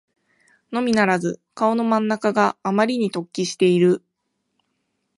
のみならず顔の真ん中があまりに突起している